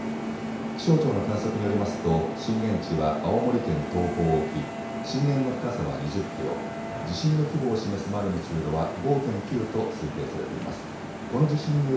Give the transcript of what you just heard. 気象庁の観測によりますと震源地は青森県東方沖、震源の深さは２０キロ、地震の規模を示すマグニチュードは５．９と推定されています。